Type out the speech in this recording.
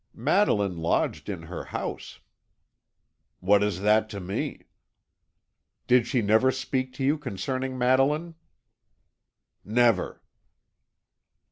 "Madeline lodged in her house." "What is that to me?" "Did she never speak to you concerning Madeline?" "Never."